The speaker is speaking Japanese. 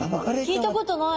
聞いたことない。